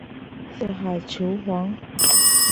四海求凰。